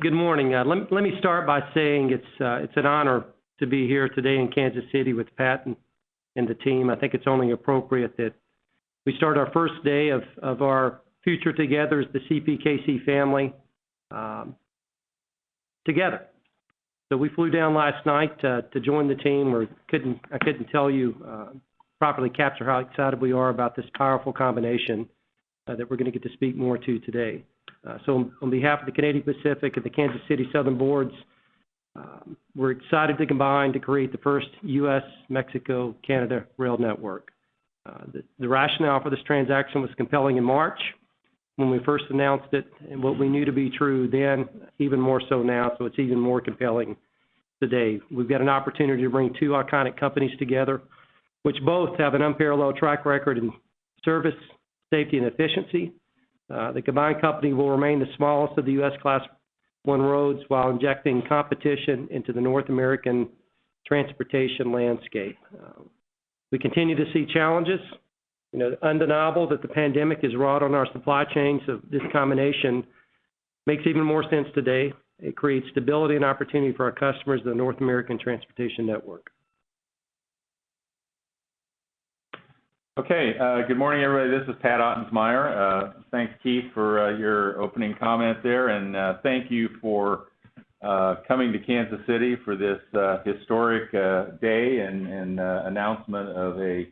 Good morning. Let me start by saying it's an honor to be here today in Kansas City with Pat and the team. I think it's only appropriate that we start our first day of our future together as the CPKC family together. We flew down last night to join the team. I couldn't properly capture how excited we are about this powerful combination that we're going to get to speak more to today. On behalf of the Canadian Pacific and the Kansas City Southern boards, we're excited to combine to create the first U.S.-Mexico-Canada rail network. The rationale for this transaction was compelling in March when we first announced it, and what we knew to be true then, even more so now. It's even more compelling today. We've got an opportunity to bring two iconic companies together, which both have an unparalleled track record in service, safety, and efficiency. The combined company will remain the smallest of the U.S. Class I roads while injecting competition into the North American transportation landscape. We continue to see challenges. It's undeniable that the pandemic has wrought on our supply chain. This combination makes even more sense today. It creates stability and opportunity for our customers in the North American transportation network. Okay. Good morning, everybody. This is Pat Ottensmeyer. Thanks, Keith, for your opening comment there, and thank you for coming to Kansas City for this historic day and announcement of a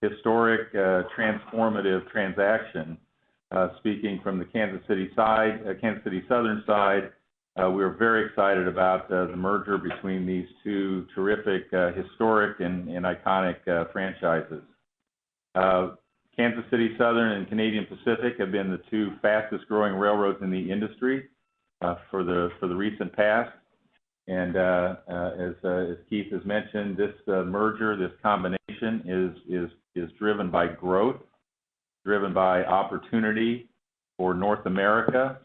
historic transformative transaction. Speaking from the Kansas City Southern side, we are very excited about the merger between these two terrific, historic, and iconic franchises. Kansas City Southern and Canadian Pacific have been the two fastest growing railroads in the industry for the recent past, and as Keith has mentioned, this merger, this combination is driven by growth, driven by opportunity for North America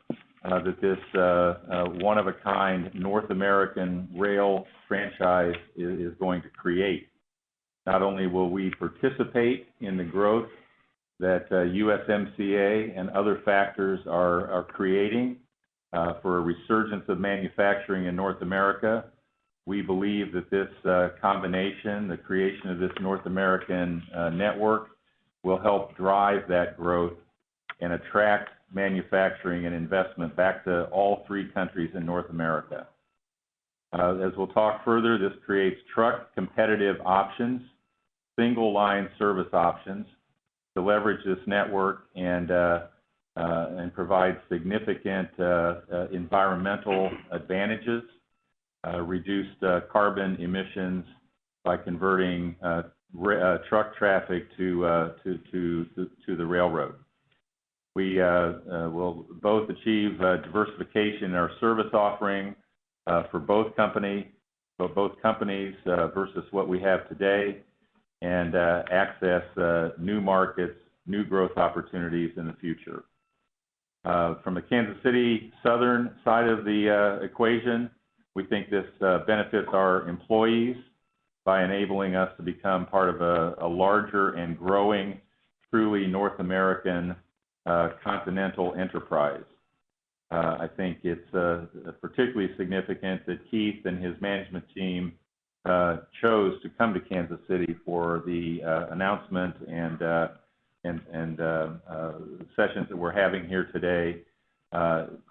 that this one-of-a-kind North American rail franchise is going to create. Not only will we participate in the growth that USMCA and other factors are creating for a resurgence of manufacturing in North America, we believe that this combination, the creation of this North American network, will help drive that growth and attract manufacturing and investment back to all three countries in North America. As we'll talk further, this creates truck competitive options, single-line service options to leverage this network and provide significant environmental advantages, reduced carbon emissions by converting truck traffic to the railroad. We will both achieve diversification in our service offering for both companies versus what we have today and access new markets, new growth opportunities in the future. From the Kansas City Southern side of the equation, we think this benefits our employees by enabling us to become part of a larger and growing, truly North American continental enterprise. I think it's particularly significant that Keith and his management team chose to come to Kansas City for the announcement and sessions that we're having here today.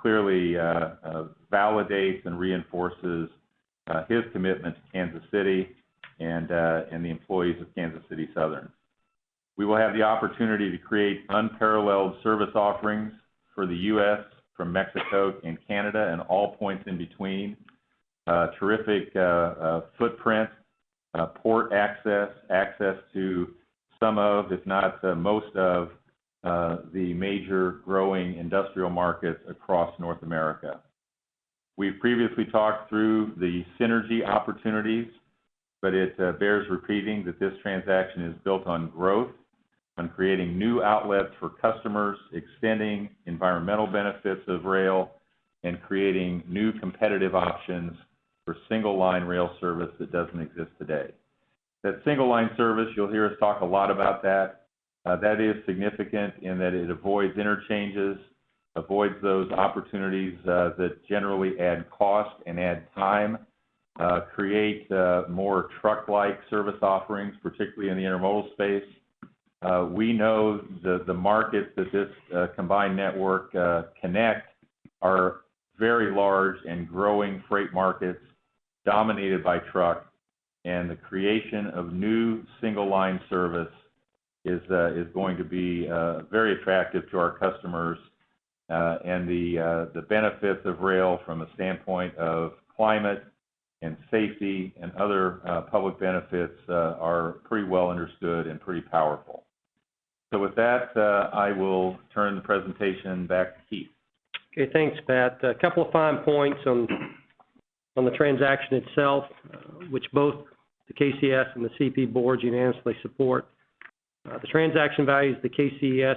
Clearly validates and reinforces his commitment to Kansas City and the employees of Kansas City Southern. We will have the opportunity to create unparalleled service offerings for the U.S., for Mexico and Canada and all points in between. Terrific footprint, port access to some of, if not most of the major growing industrial markets across North America. We've previously talked through the synergy opportunities. It bears repeating that this transaction is built on growth, on creating new outlets for customers, extending environmental benefits of rail, and creating new competitive options for single-line rail service that doesn't exist today. That single-line service, you'll hear us talk a lot about that. That is significant in that it avoids interchanges, avoids those opportunities that generally add cost and add time, create more truck-like service offerings, particularly in the intermodal space. We know the markets that this combined network connect are very large and growing freight markets dominated by truck, and the creation of new single-line service is going to be very attractive to our customers. The benefits of rail from a standpoint of climate and safety and other public benefits are pretty well understood and pretty powerful. With that, I will turn the presentation back to Keith. Okay, thanks, Pat. A couple of fine points on the transaction itself, which both the KCS and the CP boards unanimously support. The transaction values the KCS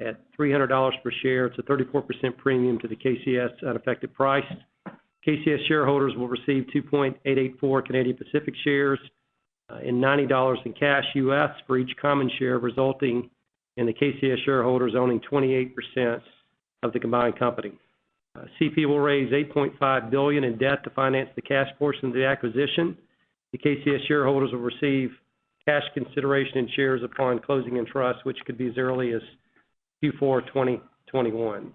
at $300 per share. It's a 34% premium to the KCS at effective price. KCS shareholders will receive 2.884 Canadian Pacific shares. $90 in cash U.S. for each common share, resulting in the KCS shareholders owning 28% of the combined company. CP will raise $8.5 billion in debt to finance the cash portion of the acquisition. The KCS shareholders will receive cash consideration and shares upon closing in trust, which could be as early as Q4 2021.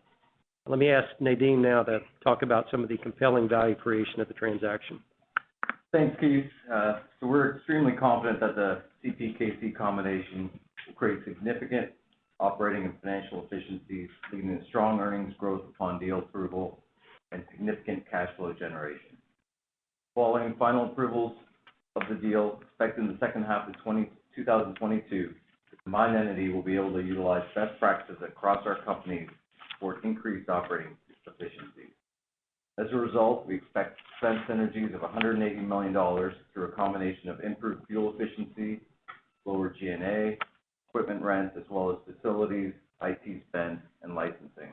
Let me ask Nadeem now to talk about some of the compelling value creation of the transaction. Thanks, Keith. We're extremely confident that the CPKC combination will create significant operating and financial efficiencies, leading to strong earnings growth upon deal approval and significant cash flow generation. Following final approvals of the deal, expected in the second half of 2022, the combined entity will be able to utilize best practices across our companies for increased operating efficiency. As a result, we expect expense synergies of 180 million dollars through a combination of improved fuel efficiency, lower G&A, equipment rents, as well as facilities, IT spend, and licensing.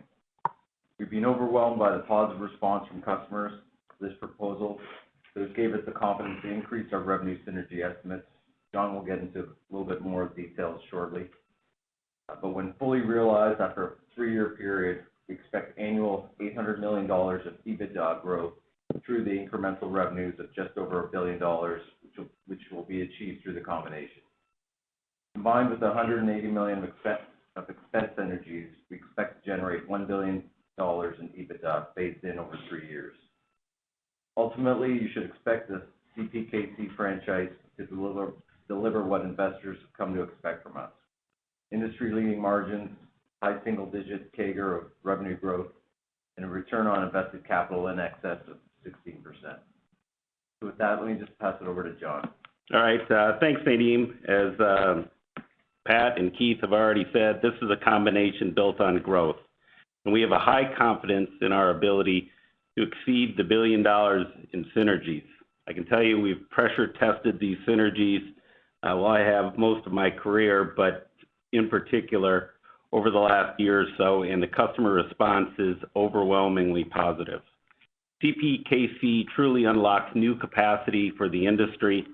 We've been overwhelmed by the positive response from customers to this proposal. This gave us the confidence to increase our revenue synergy estimates. John will get into a little bit more details shortly. When fully realized after a three-year period, we expect annual 800 million dollars of EBITDA growth through the incremental revenues of just over 1 billion dollars, which will be achieved through the combination. Combined with the 180 million of expense synergies, we expect to generate 1 billion dollars in EBITDA, phased in over three years. Ultimately, you should expect the CPKC franchise to deliver what investors have come to expect from us. Industry-leading margins, high single-digit CAGR of revenue growth, and a return on invested capital in excess of 16%. With that, let me just pass it over to John. All right. Thanks, Nadeem. As Pat and Keith have already said, this is a combination built on growth, and we have a high confidence in our ability to exceed 1 billion dollars in synergies. I can tell you, we've pressure tested these synergies, well, I have most of my career, but in particular, over the last year or so, and the customer response is overwhelmingly positive. CPKC truly unlocks new capacity for the industry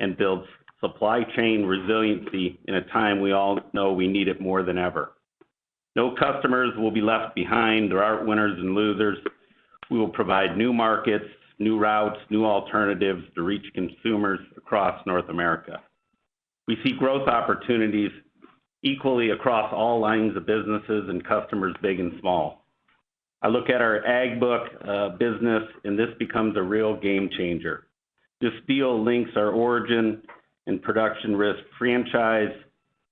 and builds supply chain resiliency in a time we all know we need it more than ever. No customers will be left behind. There aren't winners and losers. We will provide new markets, new routes, new alternatives to reach consumers across North America. We see growth opportunities equally across all lines of businesses and customers, big and small. I look at our ag book business, and this becomes a real game changer. This deal links our origin and production risk franchise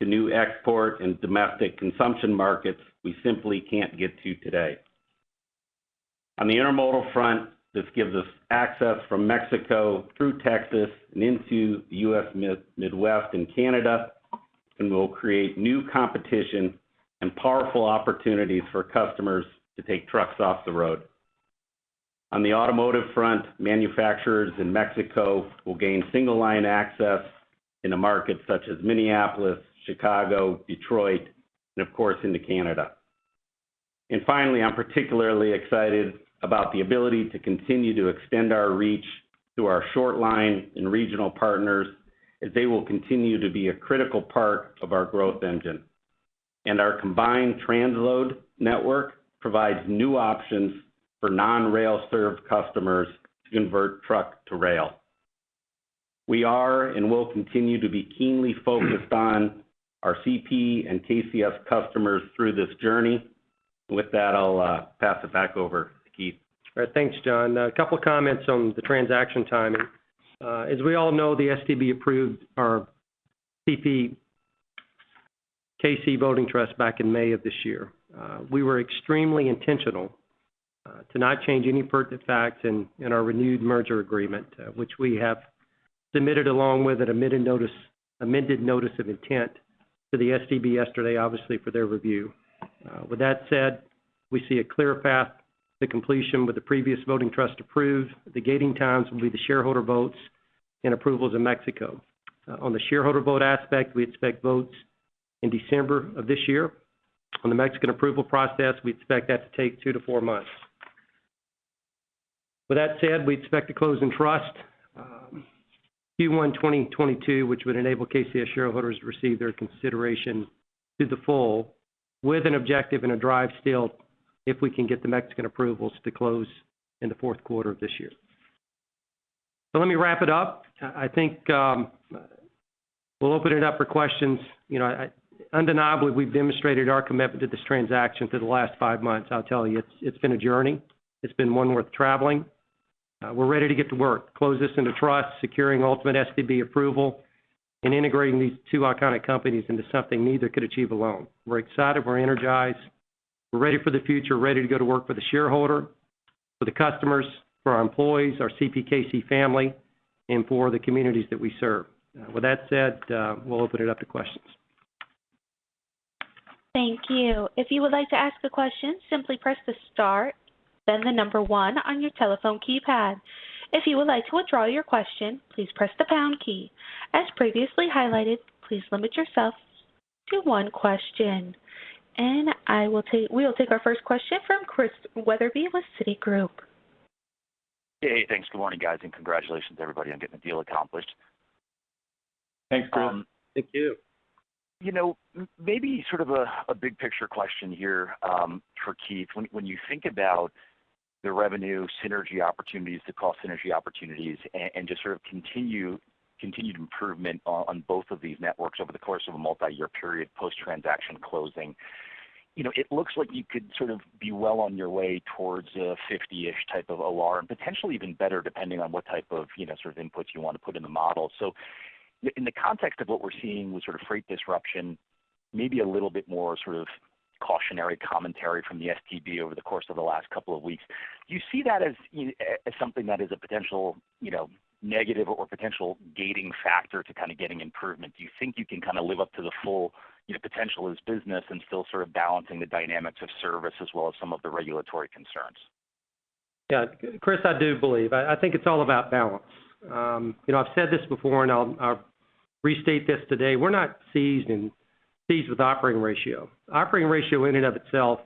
to new export and domestic consumption markets we simply can't get to today. On the intermodal front, this gives us access from Mexico through Texas and into the U.S. Midwest and Canada. Will create new competition and powerful opportunities for customers to take trucks off the road. On the automotive front, manufacturers in Mexico will gain single-line access in a market such as Minneapolis, Chicago, Detroit, and of course, into Canada. Finally, I'm particularly excited about the ability to continue to extend our reach through our short line and regional partners, as they will continue to be a critical part of our growth engine. Our combined transload network provides new options for non-rail served customers to convert truck to rail. We are and will continue to be keenly focused on our CP and KCS customers through this journey. With that, I'll pass it back over to Keith. All right. Thanks, John. A couple comments on the transaction timing. As we all know, the STB approved our CPKC voting trust back in May of this year. We were extremely intentional to not change any pertinent facts in our renewed merger agreement, which we have submitted along with an amended notice of intent to the STB yesterday, obviously for their review. With that said, we see a clear path to completion with the previous voting trust approved. The gating times will be the shareholder votes and approvals in Mexico. On the shareholder vote aspect, we expect votes in December of this year. On the Mexican approval process, we expect that to take two to four months. With that said, we expect to close in trust Q1 2022, which would enable KCS shareholders to receive their consideration through the fall, with an objective and a drive still if we can get the Mexican approvals to close in the fourth quarter of this year. Let me wrap it up. I think we'll open it up for questions. Undeniably, we've demonstrated our commitment to this transaction through the last five months. I'll tell you, it's been a journey. It's been one worth traveling. We're ready to get to work, close this into trust, securing ultimate STB approval, and integrating these two iconic companies into something neither could achieve alone. We're excited. We're energized. We're ready for the future, ready to go to work for the shareholder, for the customers, for our employees, our CPKC family, and for the communities that we serve. With that said, we'll open it up to questions. Thank you. If you would like to ask a question, simply press the star, then the number one on your telephone keypad. If you would like to withdraw your question, please press the pound key. As previously highlighted, please limit yourself to one question. We will take our first question from Christian Wetherbee with Citigroup. Hey, thanks. Good morning, guys, and congratulations everybody on getting the deal accomplished. Thanks, Chris. Thank you. Maybe sort of a big picture question here, for Keith. When you think about the revenue synergy opportunities, the cost synergy opportunities, and just sort of continued improvement on both of these networks over the course of a multiyear period post-transaction closing, it looks like you could sort of be well on your way towards a 50-ish type of OR, and potentially even better, depending on what type of inputs you want to put in the model. In the context of what we're seeing with sort of freight disruption, maybe a little bit more sort of cautionary commentary from the STB over the course of the last couple of weeks, do you see that as something that is a potential negative or potential gating factor to kind of getting improvement? Do you think you can kind of live up to the full potential of this business and still sort of balancing the dynamics of service as well as some of the regulatory concerns? Yeah. Chris, I do believe. I think it's all about balance. I've said this before, and I'll restate this today, we're not seized with operating ratio. Operating ratio in and of itself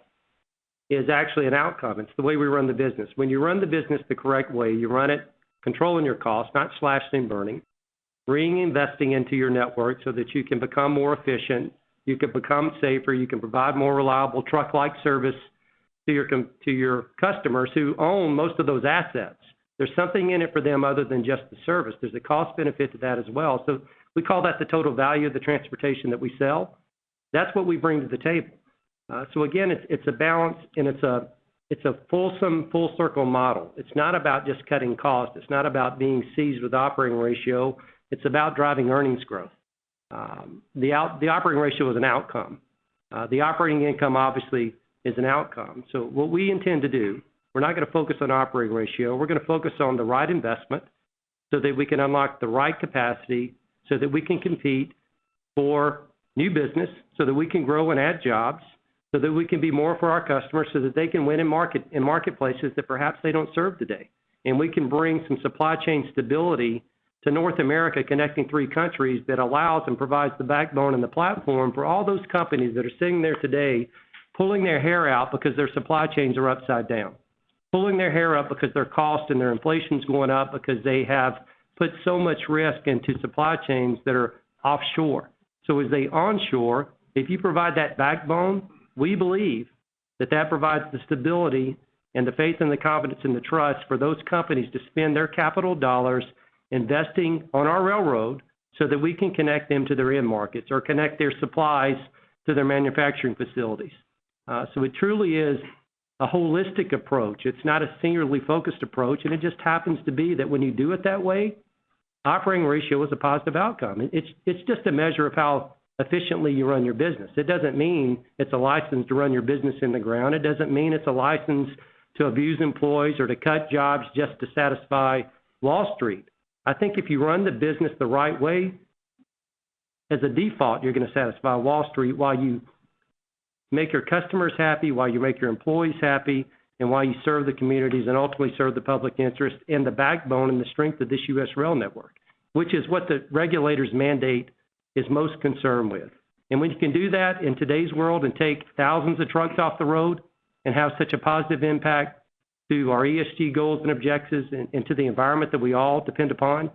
is actually an outcome. It's the way we run the business. When you run the business the correct way, you run it controlling your costs, not slashing and burning, bringing investing into your network so that you can become more efficient, you can become safer, you can provide more reliable truck-like service to your customers who own most of those assets. There's something in it for them other than just the service. There's a cost benefit to that as well. We call that the total value of the transportation that we sell. That's what we bring to the table. Again, it's a balance and it's a fulsome full circle model. It's not about just cutting costs. It's not about being seized with operating ratio. It's about driving earnings growth. The operating ratio is an outcome. The operating income obviously is an outcome. What we intend to do, we're not going to focus on operating ratio. We're going to focus on the right investment so that we can unlock the right capacity so that we can compete for new business, so that we can grow and add jobs, so that we can be more for our customers, so that they can win in marketplaces that perhaps they don't serve today. We can bring some supply chain stability to North America, connecting three countries that allows and provides the backbone and the platform for all those companies that are sitting there today pulling their hair out because their supply chains are upside down. Pulling their hair out because their cost and their inflation's going up because they have put so much risk into supply chains that are offshore. As they onshore, if you provide that backbone, we believe that that provides the stability and the faith and the confidence and the trust for those companies to spend their capital dollars investing on our railroad so that we can connect them to their end markets or connect their supplies to their manufacturing facilities. It truly is a holistic approach. It's not a singularly focused approach, and it just happens to be that when you do it that way, operating ratio is a positive outcome. It's just a measure of how efficiently you run your business. It doesn't mean it's a license to run your business in the ground. It doesn't mean it's a license to abuse employees or to cut jobs just to satisfy Wall Street. I think if you run the business the right way, as a default, you're going to satisfy Wall Street while you make your customers happy, while you make your employees happy, and while you serve the communities and ultimately serve the public interest in the backbone and the strength of this U.S. rail network, which is what the regulators mandate is most concerned with. When you can do that in today's world and take thousands of trucks off the road and have such a positive impact to our ESG goals and objectives and to the environment that we all depend upon,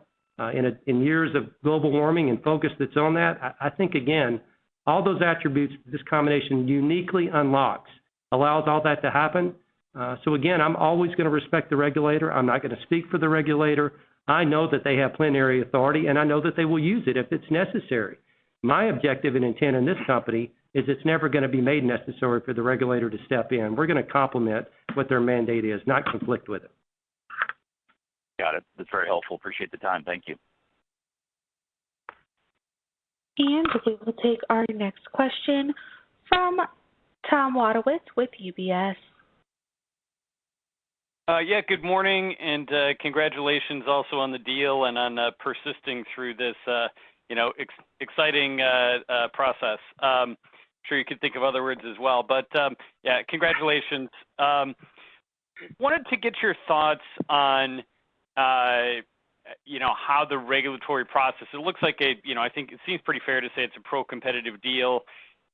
in years of global warming and focus that's on that, I think, again, all those attributes, this combination uniquely unlocks, allows all that to happen. Again, I'm always going to respect the regulator. I'm not going to speak for the regulator. I know that they have plenary authority, and I know that they will use it if it's necessary. My objective and intent in this company is it's never going to be made necessary for the regulator to step in. We're going to complement what their mandate is, not conflict with it. Got it. That's very helpful. Appreciate the time. Thank you. We will take our next question from Tom Wadewitz with UBS. Good morning, and congratulations also on the deal and on persisting through this exciting process. I'm sure you could think of other words as well. Congratulations. Wanted to get your thoughts on how the regulatory process. It looks like, I think it seems pretty fair to say it's a pro-competitive deal.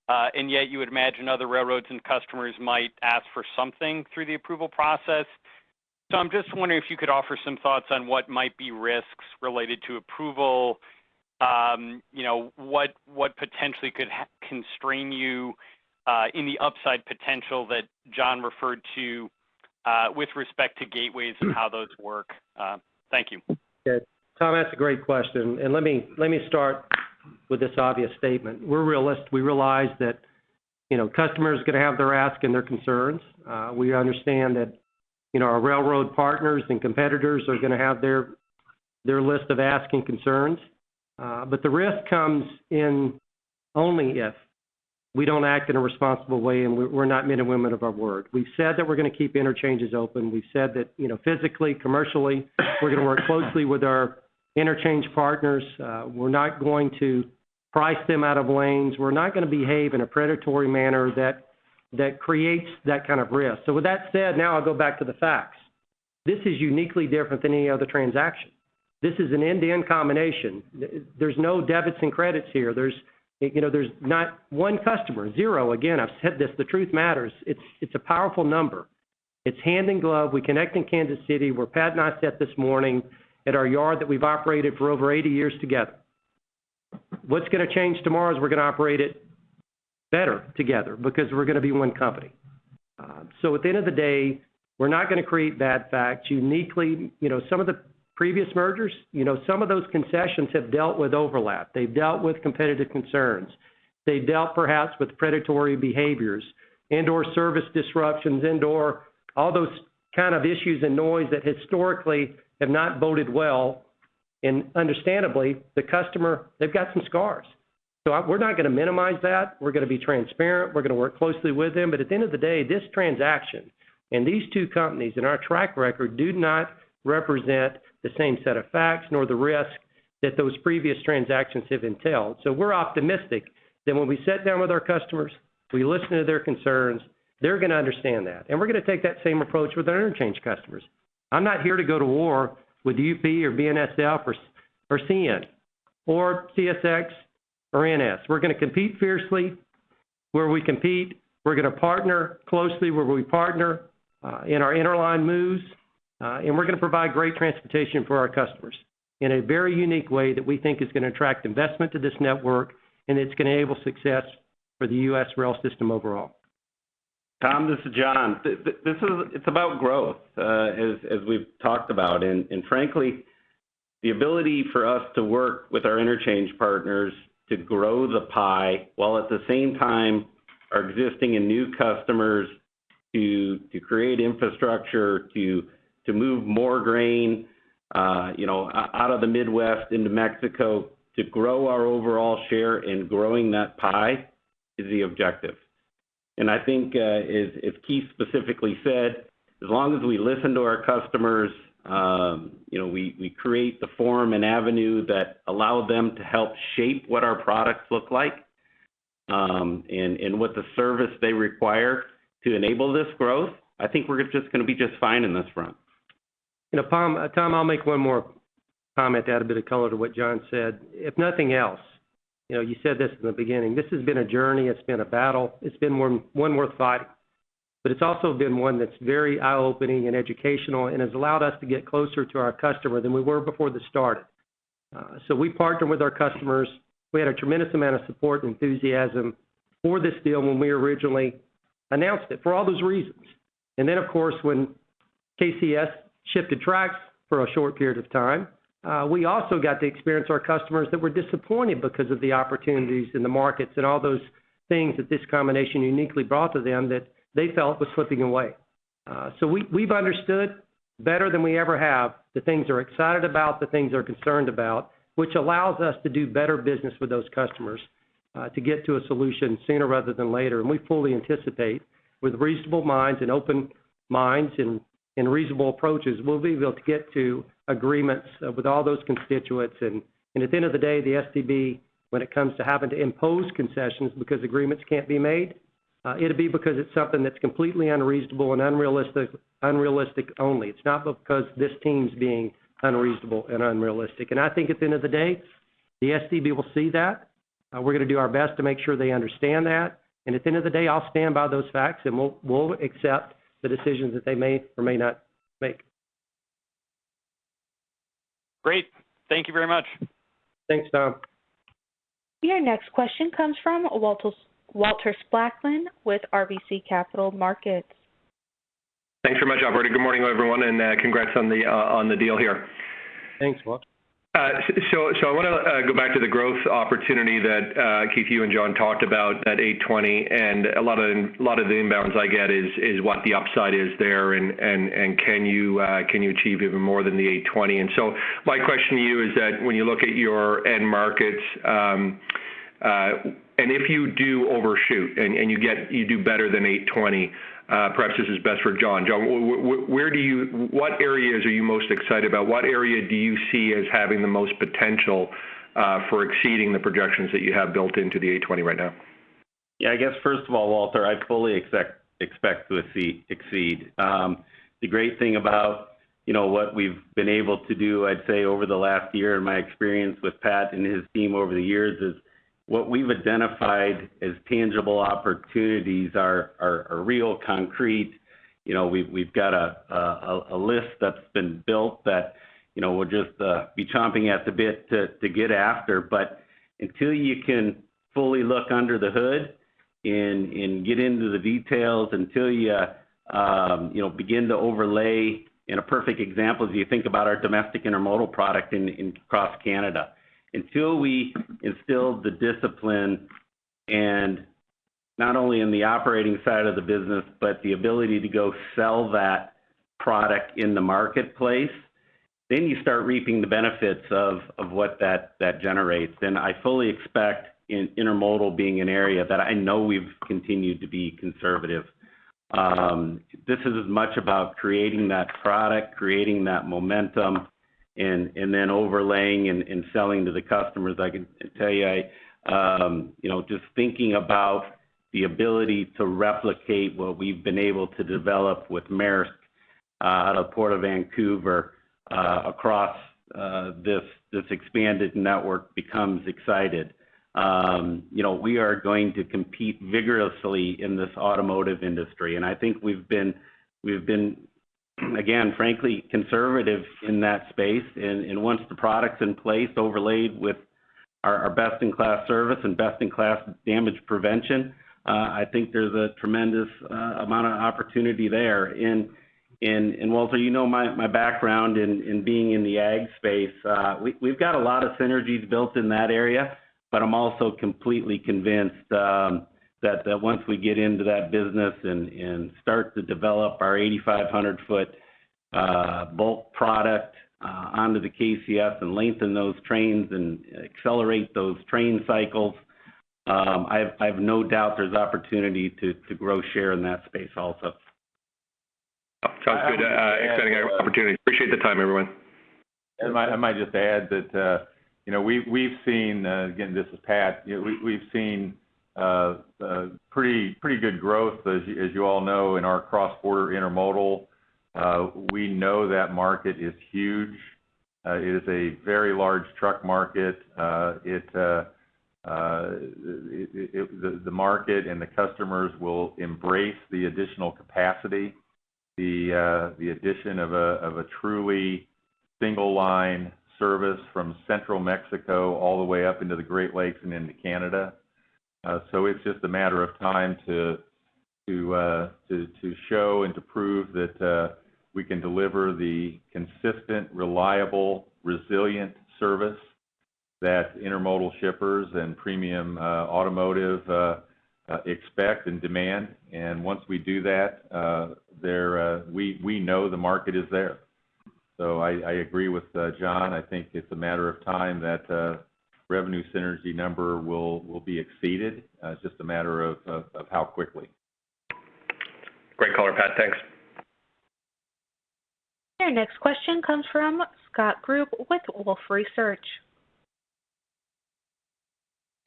Yet you would imagine other railroads and customers might ask for something through the approval process. I'm just wondering if you could offer some thoughts on what might be risks related to approval. What potentially could constrain you in the upside potential that John referred to, with respect to gateways and how those work? Thank you. Okay. Tom, that's a great question. Let me start with this obvious statement. We're realists. We realize that customers are going to have their ask and their concerns. We understand that our railroad partners and competitors are going to have their list of ask and concerns. The risk comes in only if we don't act in a responsible way and we're not men and women of our word. We've said that we're going to keep interchanges open. We've said that physically, commercially, we're going to work closely with our interchange partners. We're not going to price them out of lanes. We're not going to behave in a predatory manner that creates that kind of risk. With that said, now I'll go back to the facts. This is uniquely different than any other transaction. This is an end-to-end combination. There's no debits and credits here. There's not one customer, zero. Again, I've said this, the truth matters. It's a powerful number. It's hand in glove. We connect in Kansas City, where Pat and I sat this morning at our yard that we've operated for over 80 years together. What's going to change tomorrow is we're going to operate it better together because we're going to be one company. At the end of the day, we're not going to create bad facts. Uniquely, some of the previous mergers, some of those concessions have dealt with overlap. They've dealt with competitive concerns. They've dealt perhaps with predatory behaviors and/or service disruptions and/or all those kind of issues and noise that historically have not boded well. Understandably, the customer, they've got some scars. We're not going to minimize that. We're going to be transparent. We're going to work closely with them. At the end of the day, this transaction and these two companies and our track record do not represent the same set of facts nor the risk that those previous transactions have entailed. We're optimistic that when we sit down with our customers, we listen to their concerns, they're going to understand that. We're going to take that same approach with our interchange customers. I'm not here to go to war with UP or BNSF or CN or CSX or NS. We're going to compete fiercely where we compete. We're going to partner closely where we partner in our interline moves. We're going to provide great transportation for our customers in a very unique way that we think is going to attract investment to this network, and it's going to enable success for the U.S. rail system overall. Tom, this is John. It's about growth, as we've talked about, frankly, the ability for us to work with our interchange partners to grow the pie while at the same time our existing and new customers to create infrastructure, to move more grain out of the Midwest into Mexico, to grow our overall share in growing that pie is the objective. I think, as Keith specifically said, as long as we listen to our customers, we create the forum and avenue that allow them to help shape what our products look like, and what the service they require to enable this growth, I think we're just going to be just fine in this front. Tom, I'll make one more comment to add a bit of color to what John said. If nothing else, you said this in the beginning, this has been a journey. It's been a battle. It's been one worth fighting, but it's also been one that's very eye-opening and educational and has allowed us to get closer to our customer than we were before this started. We partnered with our customers. We had a tremendous amount of support and enthusiasm for this deal when we originally announced it for all those reasons. Then, of course, when KCS shifted tracks for a short period of time, we also got to experience our customers that were disappointed because of the opportunities in the markets and all those things that this combination uniquely brought to them that they felt was slipping away. We've understood better than we ever have the things they're excited about, the things they're concerned about, which allows us to do better business with those customers, to get to a solution sooner rather than later. We fully anticipate with reasonable minds and open minds and reasonable approaches, we'll be able to get to agreements with all those constituents. At the end of the day, the STB, when it comes to having to impose concessions because agreements can't be made, it'll be because it's something that's completely unreasonable and unrealistic only. It's not because this team's being unreasonable and unrealistic. I think at the end of the day, the STB will see that. We're going to do our best to make sure they understand that. At the end of the day, I'll stand by those facts, and we'll accept the decisions that they may or may not make. Great. Thank you very much. Thanks, Thomas. Your next question comes from Walter Spracklin with RBC Capital Markets. Thanks very much, operator. Good morning, everyone, and congrats on the deal here. Thanks, Walter. I want to go back to the growth opportunity that, Keith, you and John talked about at 820, and a lot of the inbounds I get is what the upside is there, and can you achieve even more than the 820? My question to you is that when you look at your end markets, and if you do overshoot and you do better than 820, perhaps this is best for John. John, what areas are you most excited about? What area do you see as having the most potential for exceeding the projections that you have built into the 820 right now? Yeah, I guess first of all, Walter, I fully expect to exceed. The great thing about what we've been able to do, I'd say, over the last year and my experience with Pat and his team over the years is what we've identified as tangible opportunities are real concrete. We've got a list that's been built that we'll just be chomping at the bit to get after. Until you can fully look under the hood and get into the details, until you begin to overlay, and a perfect example is you think about our domestic intermodal product across Canada. Until we instill the discipline and not only in the operating side of the business, but the ability to go sell that product in the marketplace, you start reaping the benefits of what that generates. I fully expect intermodal being an area that I know we've continued to be conservative. This is as much about creating that product, creating that momentum, and then overlaying and selling to the customers. I can tell you, just thinking about the ability to replicate what we've been able to develop with Maersk out of Port of Vancouver across this expanded network becomes excited. We are going to compete vigorously in this automotive industry, and I think we've been, again, frankly conservative in that space. Once the product's in place, overlaid with our best-in-class service and best-in-class damage prevention, I think there's a tremendous amount of opportunity there. Walter, you know my background in being in the ag space. We've got a lot of synergies built in that area, but I'm also completely convinced that once we get into that business and start to develop our 8,500 foot bulk product onto the KCS and lengthen those trains and accelerate those train cycles, I have no doubt there's opportunity to grow share in that space also. Sounds good. Exciting opportunity. Appreciate the time, everyone. I might just add that we've seen, again, this is Pat, pretty good growth, as you all know, in our cross-border intermodal. We know that market is huge. It is a very large truck market. The market and the customers will embrace the additional capacity, the addition of a truly single-line service from central Mexico all the way up into the Great Lakes and into Canada. It's just a matter of time to show and to prove that we can deliver the consistent, reliable, resilient service that intermodal shippers and premium automotive expect and demand. Once we do that, we know the market is there. I agree with John. I think it's a matter of time that revenue synergy number will be exceeded. It's just a matter of how quickly. Great color, Pat. Thanks. Your next question comes from Scott Group with Wolfe Research.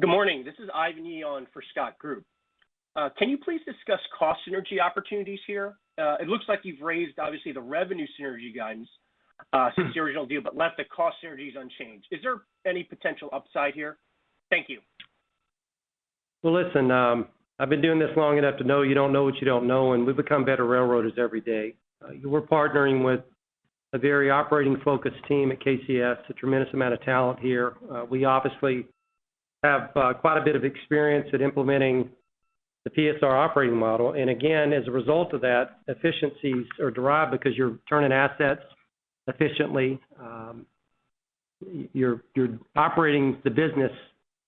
Good morning. This is Ivan Yi on for Scott Group. Can you please discuss cost synergy opportunities here? It looks like you've raised, obviously, the revenue synergy guidance since the original deal, but left the cost synergies unchanged. Is there any potential upside here? Thank you. Well, listen, I've been doing this long enough to know you don't know what you don't know, and we become better railroaders every day. We're partnering with a very operating-focused team at KCS, a tremendous amount of talent here. We obviously have quite a bit of experience at implementing the PSR operating model. Again, as a result of that, efficiencies are derived because you're turning assets efficiently. You're operating the business,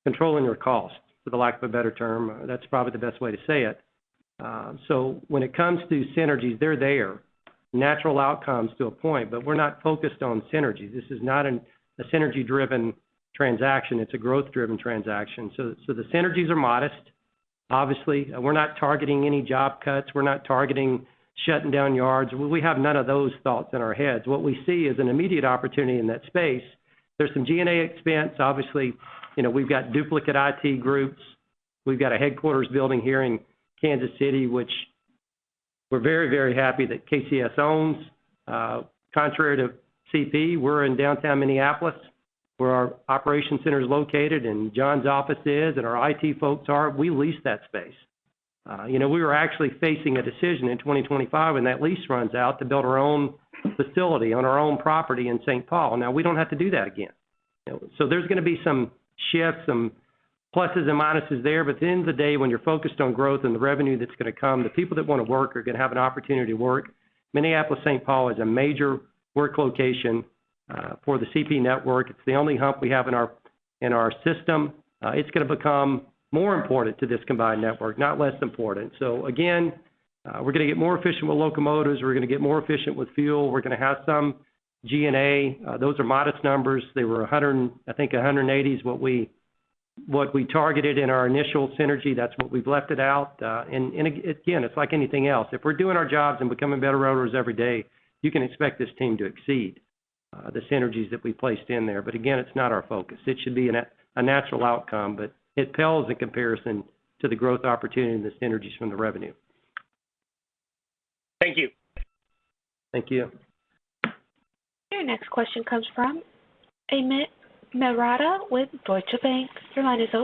controlling your costs, for the lack of a better term. That's probably the best way to say it. When it comes to synergies, they're there. Natural outcomes to a point, we're not focused on synergies. This is not a synergy-driven transaction, it's a growth-driven transaction. The synergies are modest. Obviously, we're not targeting any job cuts. We're not targeting shutting down yards. We have none of those thoughts in our heads. What we see is an immediate opportunity in that space. There's some G&A expense. Obviously, we've got duplicate IT groups. We've got a headquarters building here in Kansas City, which we're very, very happy that KCS owns. Contrary to CP, we're in downtown Minneapolis, where our operation center is located and John's office is, and our IT folks are. We lease that space. We were actually facing a decision in 2025 when that lease runs out to build our own facility on our own property in St. Paul. Now we don't have to do that again. There's going to be some shifts, some pluses and minuses there. At the end of the day, when you're focused on growth and the revenue that's going to come, the people that want to work are going to have an opportunity to work. Minneapolis St. Paul is a major work location for the CP network. It's the only hump we have in our system. It's going to become more important to this combined network, not less important. Again, we're going to get more efficient with locomotives, we're going to get more efficient with fuel. We're going to have some G&A. Those are modest numbers. They were, I think, 180 is what we targeted in our initial synergy. That's what we've left it out. Again, it's like anything else. If we're doing our jobs and becoming better railroaders every day, you can expect this team to exceed the synergies that we placed in there. Again, it's not our focus. It should be a natural outcome, but it pales in comparison to the growth opportunity and the synergies from the revenue. Thank you. Thank you. Your next question comes from Amit Mehrotra with Deutsche Bank. Thanks,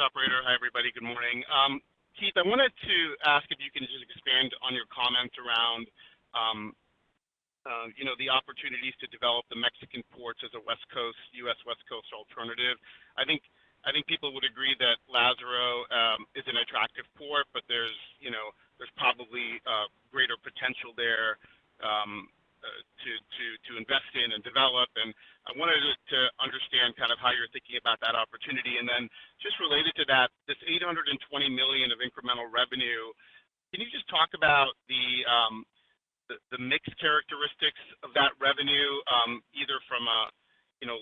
operator. Hi, everybody. Good morning. Keith, I wanted to ask if you can just expand on your comments around the opportunities to develop the Mexican ports as a West Coast, U.S. West Coast alternative. I think people would agree that Lázaro is an attractive port. There's probably greater potential there to invest in and develop. I wanted just to understand how you're thinking about that opportunity. Just related to that, this 820 million of incremental revenue, can you just talk about the mix characteristics of that revenue, either from a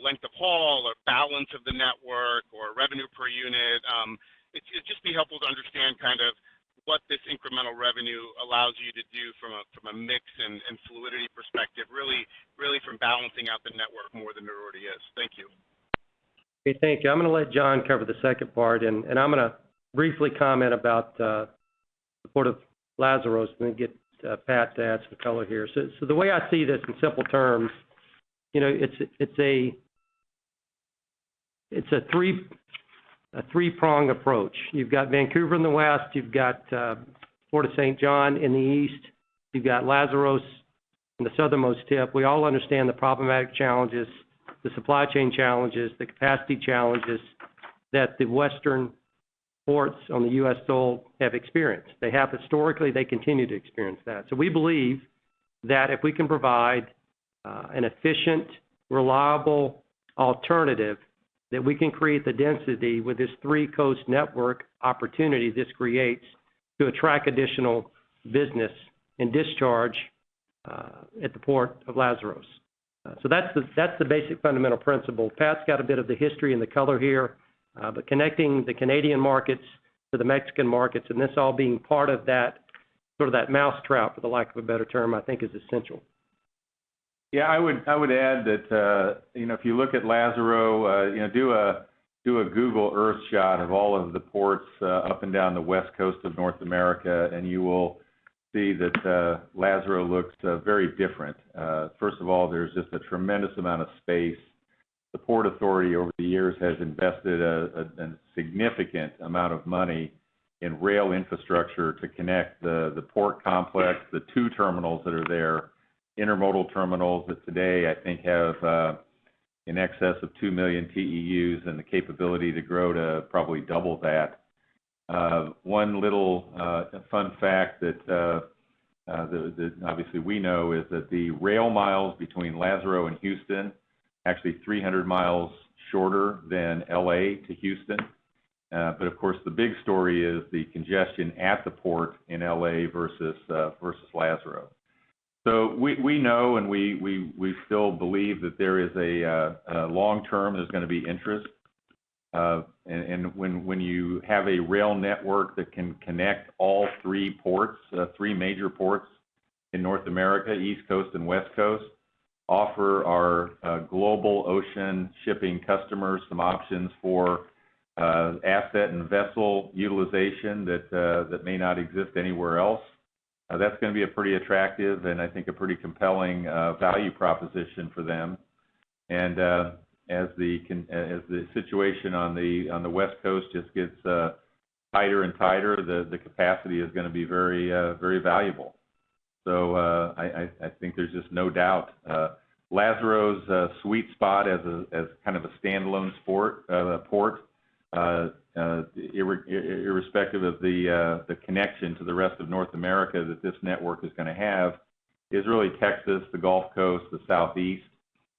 length of haul or balance of the network or revenue per unit? It'd just be helpful to understand what this incremental revenue allows you to do from a mix and fluidity perspective, really from balancing out the network more than there already is. Thank you. Okay, thank you. I'm going to let John cover the second part. I'm going to briefly comment about the Port of Lázaro, then get Pat to add some color here. The way I see this in simple terms, it's a three-prong approach. You've got Vancouver in the west, you've got Port of Saint John in the east, you've got Lázaro on the southernmost tip. We all understand the problematic challenges, the supply chain challenges, the capacity challenges that the western ports on the U.S. soil have experienced. They have historically, they continue to experience that. We believe that if we can provide an efficient, reliable alternative, that we can create the density with this three-coast network opportunity this creates to attract additional business and discharge at the Port of Lázaro. That's the basic fundamental principle. Pat's got a bit of the history and the color here, but connecting the Canadian markets to the Mexican markets, and this all being part of that mousetrap, for the lack of a better term, I think is essential. Yeah, I would add that if you look at Lázaro, do a Google Earth shot of all of the ports up and down the West Coast of North America, and you will see that Lázaro looks very different. First of all, there's just a tremendous amount of space. The Port Authority over the years has invested a significant amount of money in rail infrastructure to connect the port complex, the two terminals that are there, intermodal terminals that today, I think have in excess of 2 million TEU and the capability to grow to probably double that. One little fun fact that obviously we know is that the rail miles between Lázaro and Houston are actually 300 mi shorter than L.A. to Houston. Of course, the big story is the congestion at the port in L.A. versus Lázaro. We know and we still believe that there is a long-term, there's going to be interest. When you have a rail network that can connect all three major ports in North America, East Coast and West Coast, offer our global ocean shipping customers some options for asset and vessel utilization that may not exist anywhere else, that's going to be a pretty attractive, and I think a pretty compelling value proposition for them. As the situation on the West Coast just gets tighter and tighter, the capacity is going to be very valuable. I think there's just no doubt Lázaro's sweet spot as kind of a standalone port, irrespective of the connection to the rest of North America that this network is going to have, is really Texas, the Gulf Coast, the Southeast,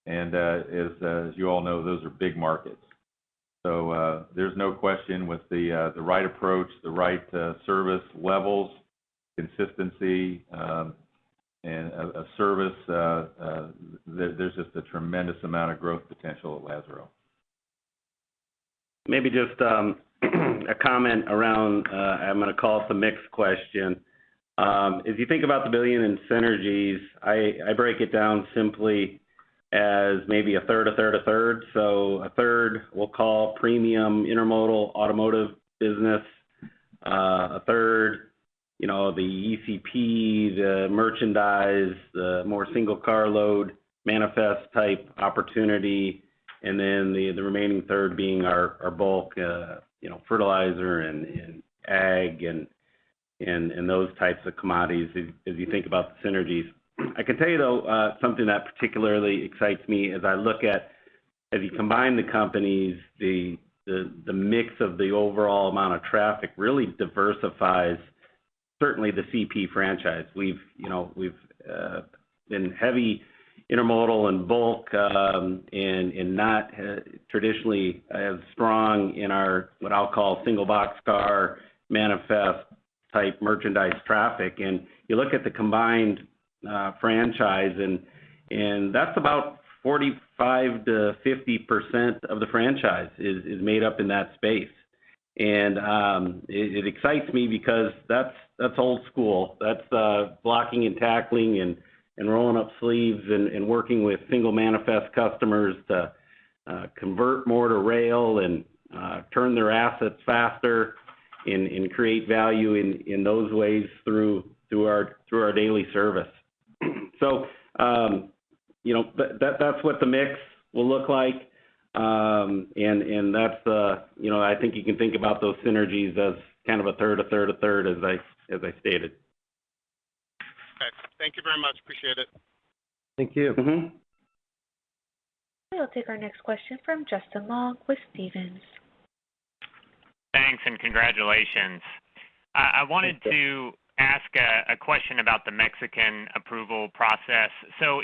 and as you all know, those are big markets. There's no question with the right approach, the right service levels, consistency of service, there's just a tremendous amount of growth potential at Lázaro. Maybe just a comment around, I'm going to call it the mix question. If you think about the 1 billion in synergies, I break it down simply as maybe a third, a third, a third. A third we'll call premium intermodal automotive business, a third, the ECP, the merchandise, the more single carload manifest type opportunity, and then the remaining third being our bulk, fertilizer and ag and those types of commodities, as you think about the synergies. I can tell you though, something that particularly excites me as I look at as you combine the companies, the mix of the overall amount of traffic really diversifies certainly the CP franchise. We've been heavy intermodal and bulk, and not traditionally as strong in our, what I'll call single boxcar manifest type merchandise traffic. You look at the combined franchise, and that's about 45%-50% of the franchise is made up in that space. It excites me because that's old school. That's blocking and tackling and rolling up sleeves and working with single manifest customers to convert more to rail and turn their assets faster and create value in those ways through our daily service. That's what the mix will look like. I think you can think about those synergies as kind of a third, a third, a third, as I stated. Okay. Thank you very much. Appreciate it. Thank you. I'll take our next question from Justin Long with Stephens. Thanks, and congratulations. Thank you. I wanted to ask a question about the Mexican approval process.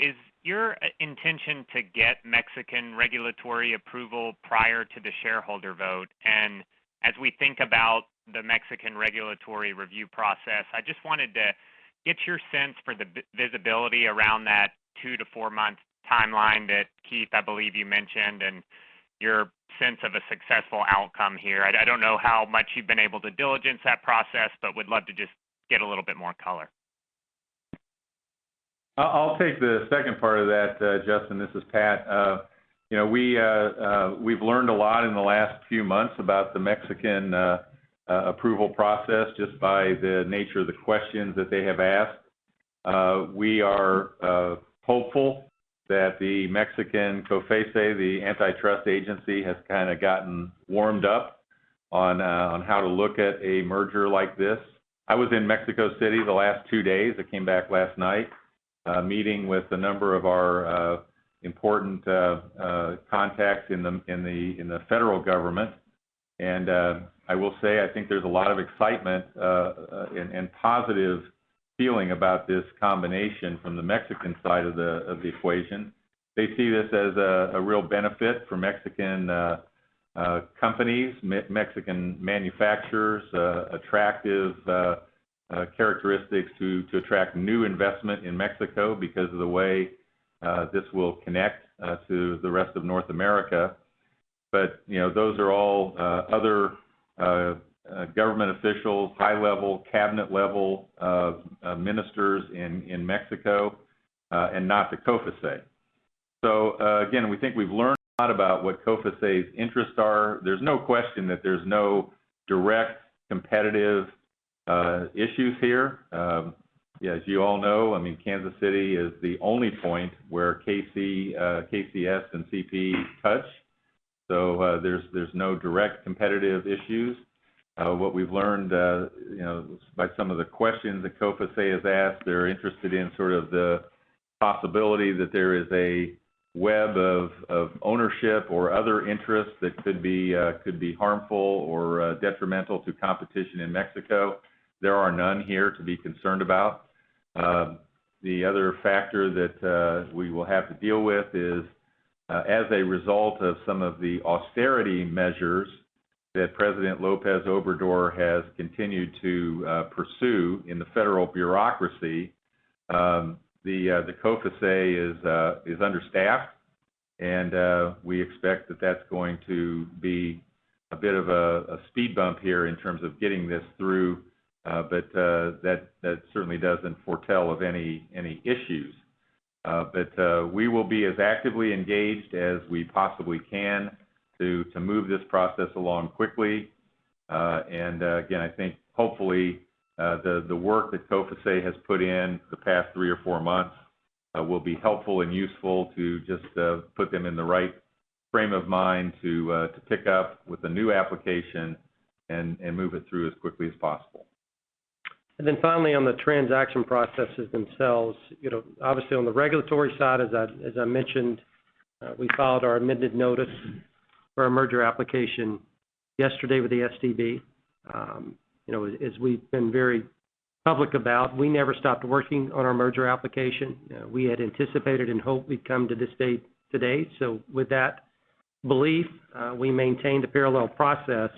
Is your intention to get Mexican regulatory approval prior to the shareholder vote? As we think about the Mexican regulatory review process, I just wanted to get your sense for the visibility around that two to four months timeline that, Keith, I believe you mentioned, and your sense of a successful outcome here. I don't know how much you've been able to diligence that process, but would love to just get a little bit more color. I'll take the second part of that, Justin. This is Pat. We've learned a lot in the last two months about the Mexican approval process just by the nature of the questions that they have asked. We are hopeful that the Mexican COFECE, the antitrust agency, has kind of gotten warmed up on how to look at a merger like this. I was in Mexico City the last two days, I came back last night, meeting with a number of our important contacts in the Federal Government. I will say, I think there's a lot of excitement and positive feeling about this combination from the Mexican side of the equation. They see this as a real benefit for Mexican companies, Mexican manufacturers, attractive characteristics to attract new investment in Mexico because of the way this will connect to the rest of North America. Those are all other government officials, high-level, cabinet-level ministers in Mexico, and not the COFECE. Again, we think we've learned a lot about what COFECE's interests are. There's no question that there's no direct competitive issues here. As you all know, Kansas City is the only point where KCS and CP touch. There's no direct competitive issues. What we've learned by some of the questions that COFECE has asked, they're interested in sort of the possibility that there is a web of ownership or other interests that could be harmful or detrimental to competition in Mexico. There are none here to be concerned about. The other factor that we will have to deal with is as a result of some of the austerity measures that President López Obrador has continued to pursue in the federal bureaucracy, the COFECE is understaffed, and we expect that that's going to be a bit of a speed bump here in terms of getting this through. That certainly doesn't foretell of any issues. We will be as actively engaged as we possibly can to move this process along quickly. Again, I think hopefully, the work that COFECE has put in the past three or four months will be helpful and useful to just put them in the right frame of mind to pick up with a new application and move it through as quickly as possible. Then finally, on the transaction processes themselves, obviously on the regulatory side, as I mentioned, we filed our amended notice for our merger application yesterday with the STB. As we've been very public about, we never stopped working on our merger application. We had anticipated and hoped we'd come to this state today. With that belief, we maintained a parallel process,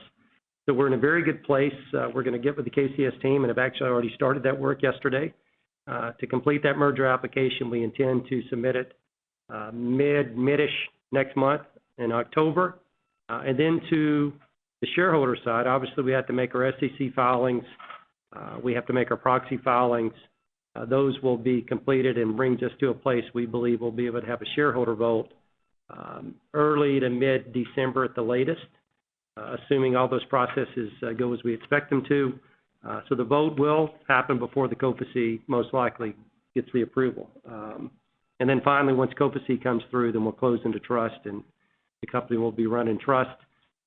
so we're in a very good place. We're going to get with the KCS team, and have actually already started that work yesterday. To complete that merger application, we intend to submit it mid-ish next month in October. Then to the shareholder side, obviously, we have to make our SEC filings. We have to make our proxy filings. Those will be completed and brings us to a place we believe we will be able to have a shareholder vote early to mid-December at the latest, assuming all those processes go as we expect them to. The vote will happen before the COFECE most likely gets the approval. Finally, once COFECE comes through, then we will close into trust, and the company will be run in trust.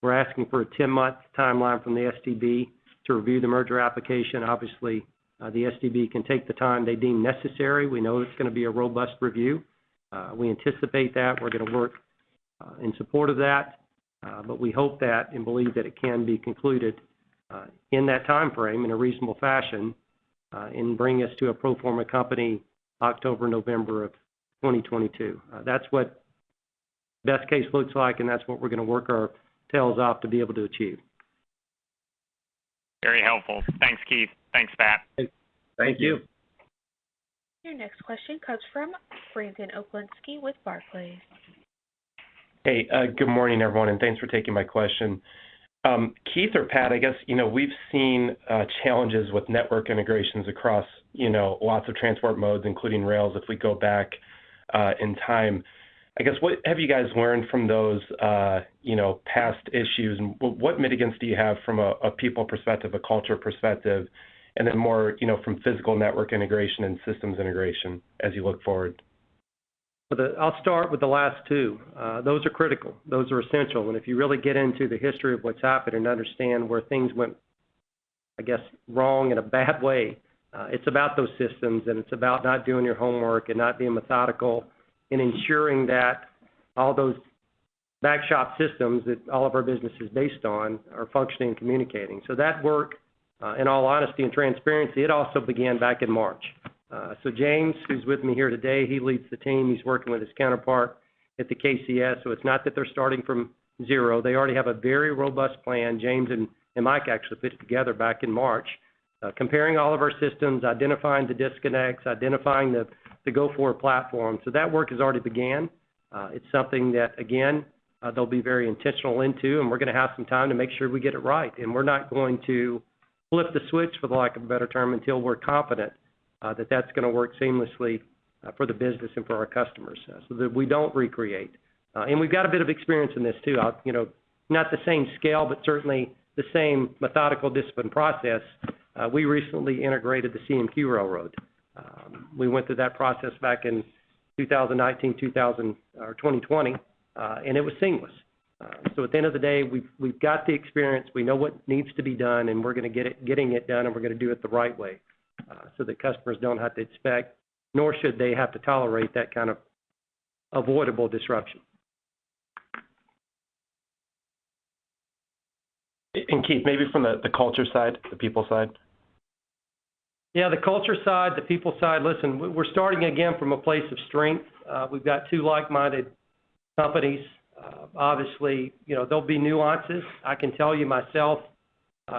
We are asking for a 10-month timeline from the STB to review the merger application. Obviously, the STB can take the time they deem necessary. We know it is going to be a robust review. We anticipate that. We are going to work in support of that. We hope that, and believe that it can be concluded in that timeframe, in a reasonable fashion, and bring us to a pro forma company October, November of 2022. That's what best case looks like, and that's what we're going to work our tails off to be able to achieve. Very helpful. Thanks, Keith. Thanks, Pat. Thank you. Thank you. Your next question comes from Brandon Oglenski with Barclays. Hey, good morning, everyone, and thanks for taking my question. Keith or Pat, I guess, we've seen challenges with network integrations across lots of transport modes, including rails, if we go back in time. I guess, what have you guys learned from those past issues, and what mitigants do you have from a people perspective, a culture perspective, and then more from physical network integration and systems integration as you look forward? I'll start with the last two. Those are critical. Those are essential. If you really get into the history of what's happened and understand where things went, I guess, wrong in a bad way, it's about those systems, and it's about not doing your homework and not being methodical in ensuring that all those back shop systems that all of our business is based on are functioning and communicating. That work, in all honesty and transparency, it also began back in March. James, who's with me here today, he leads the team. He's working with his counterpart at the KCS. It's not that they're starting from zero. They already have a very robust plan. James and Mike actually put it together back in March comparing all of our systems, identifying the disconnects, identifying the go-forward platform. That work has already began. It's something that, again, they'll be very intentional into, and we're going to have some time to make sure we get it right. We're not going to flip the switch, for the lack of a better term, until we're confident that that's going to work seamlessly for the business and for our customers so that we don't recreate. We've got a bit of experience in this, too. Not the same scale, but certainly the same methodical discipline process. We recently integrated the CMQ Railroad. We went through that process back in 2019, 2020, and it was seamless. At the end of the day, we've got the experience. We know what needs to be done. We're going to get it done. We're going to do it the right way so that customers don't have to expect, nor should they have to tolerate that kind of avoidable disruption. Keith, maybe from the culture side, the people side. Yeah, the culture side, the people side. Listen, we're starting again from a place of strength. We've got two like-minded companies. Obviously, there'll be nuances. I can tell you myself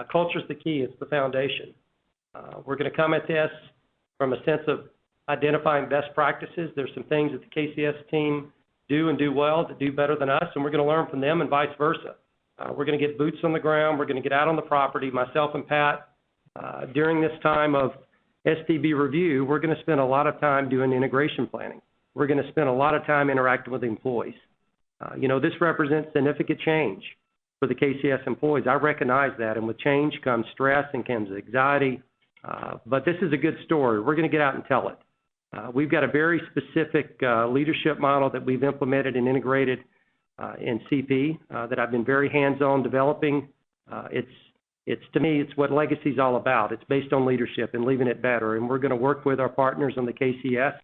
culture is the key. It's the foundation. We're going to come at this from a sense of identifying best practices. There's some things that the KCS team do and do well, that do better than us, and we're going to learn from them and vice versa. We're going to get boots on the ground. We're going to get out on the property, myself and Pat. During this time of STB review, we're going to spend a lot of time doing integration planning. We're going to spend a lot of time interacting with employees. This represents significant change for the KCS employees. I recognize that. With change comes stress and comes anxiety. This is a good story. We're going to get out and tell it. We've got a very specific leadership model that we've implemented and integrated in CP that I've been very hands-on developing. To me, it's what legacy is all about. It's based on leadership and leaving it better. We're going to work with our partners on the KCS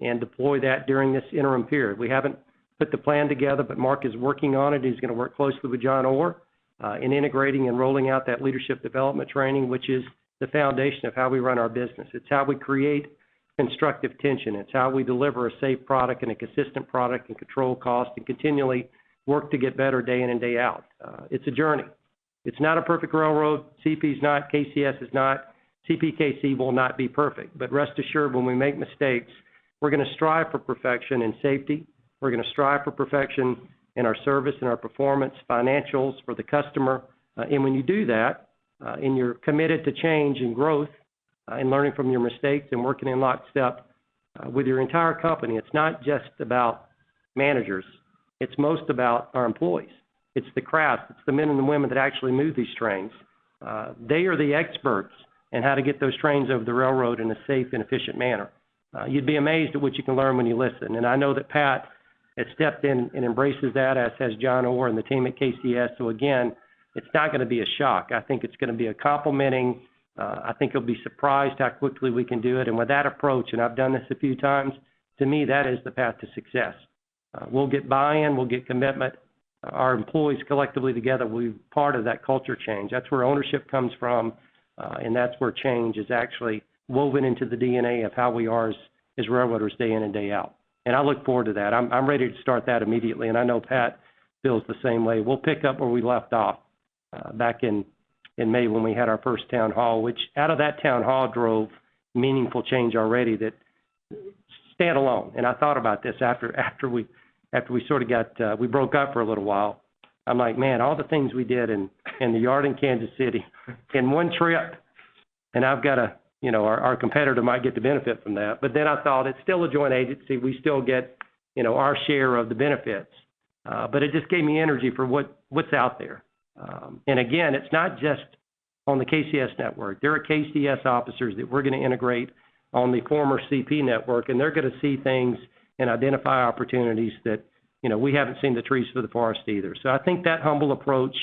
and deploy that during this interim period. We haven't put the plan together, but Mark is working on it. He's going to work closely with John Orr in integrating and rolling out that leadership development training, which is the foundation of how we run our business. It's how we create constructive tension. It's how we deliver a safe product and a consistent product and control cost and continually work to get better day in and day out. It's a journey. It's not a perfect railroad. CP is not. KCS is not. CPKC will not be perfect. Rest assured, when we make mistakes, we're going to strive for perfection in safety. We're going to strive for perfection in our service and our performance financials for the customer. When you do that, and you're committed to change and growth and learning from your mistakes and working in lockstep with your entire company, it's not just about managers. It's most about our employees. It's the craft. It's the men and the women that actually move these trains. They are the experts in how to get those trains over the railroad in a safe and efficient manner. You'd be amazed at what you can learn when you listen. I know that Pat has stepped in and embraces that, as has John Orr and the team at KCS. Again, it's not going to be a shock. I think it's going to be a complementing. I think you'll be surprised how quickly we can do it. With that approach, and I've done this a few times, to me, that is the path to success. We'll get buy-in. We'll get commitment. Our employees collectively together will be part of that culture change. That's where ownership comes from. That's where change is actually woven into the DNA of how we are as railroaders day in and day out. I look forward to that. I'm ready to start that immediately, and I know Pat feels the same way. We'll pick up where we left off back in May when we had our first town hall, which out of that town hall drove meaningful change already that stand alone. I thought about this after we broke up for a little while. I'm like, man, all the things we did in the yard in Kansas City in one trip, and our competitor might get the benefit from that. I thought, it's still a joint agency. We still get our share of the benefits. It just gave me energy for what's out there. Again, it's not just on the KCS network. There are KCS officers that we're going to integrate on the former CP network, and they're going to see things and identify opportunities that we haven't seen the trees for the forest either. I think that humble approach,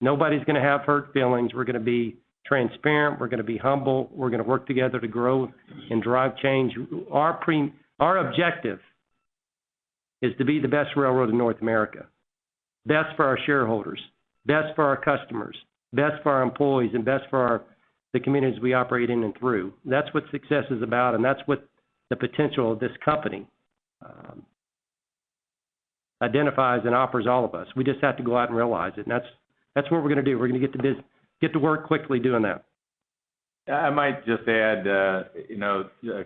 nobody's going to have hurt feelings. We're going to be transparent. We're going to be humble. We're going to work together to grow and drive change. Our objective is to be the best railroad in North America, best for our shareholders, best for our customers, best for our employees, and best for the communities we operate in and through. That's what success is about, and that's what the potential of this company identifies and offers all of us. We just have to go out and realize it. That's what we're going to do. We're going to get to work quickly doing that. I might just add a